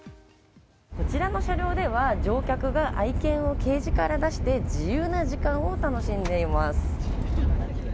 こちらの車両では乗客が愛犬をケージから出して自由な時間を楽しんでいます。